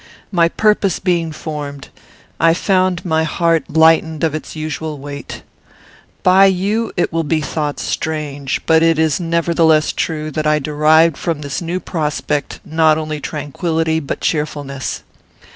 "My purpose being formed, I found my heart lightened of its usual weight. By you it will be thought strange, but it is nevertheless true, that I derived from this new prospect not only tranquillity but cheerfulness.